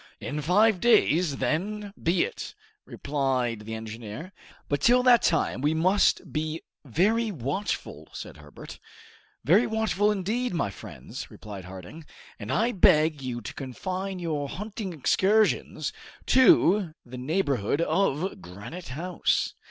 "In five days, then, be it," replied the engineer. "But till that time we must be very watchful," said Herbert. "Very watchful indeed, my friends," replied Harding; "and I beg you to confine your hunting excursions to the neighborhood of Granite House."